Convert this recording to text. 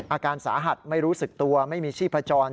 อาการสาหัสไม่รู้สึกตัวไม่มีชีพจร